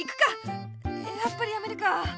やっぱりやめるか。